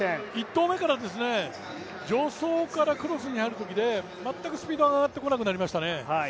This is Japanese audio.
１投目から助走からクロスに入るときで全くスピードが上がってこなくなりましたね。